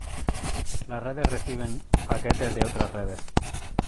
Las redes reciben paquetes de otras redes.